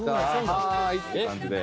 「はーい！」って感じで。